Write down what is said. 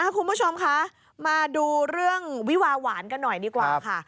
คุณผู้ชมคะมาดูเรื่องวิวาหวานกันหน่อยดีกว่าค่ะ